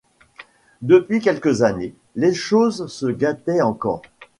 Depuis quelques années, les choses se gâtaient encore.